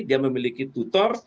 dia memiliki tutor